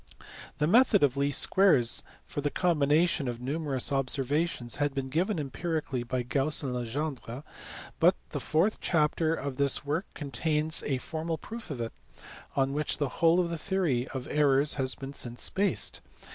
The method of least squares for the combination of numerous observations had been given empirically by Gauss and Legendre, but the fourth chapter of this work contains a formal proof of it; on which the whole of the theory of errors has been since based.